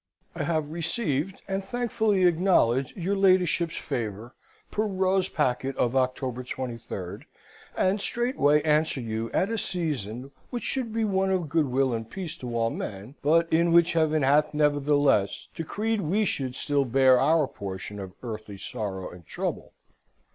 I have received, and thankfully acknowledge, your ladyship's favour, per Rose packet, of October 23 ult.; and straightway answer you at a season which should be one of goodwill and peace to all men: but in which Heaven hath nevertheless decreed we should still bear our portion of earthly sorrow and trouble.